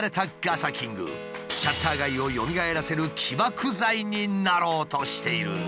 シャッター街をよみがえらせる起爆剤になろうとしている。